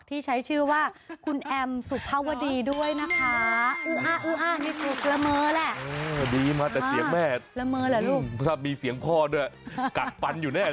ที่ใช้ชื่อว่าคุณแอมสุภาวดีด้วยนะคะ